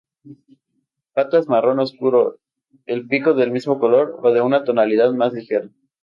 Patas marrón oscuro, el pico del mismo color o de una tonalidad más ligera.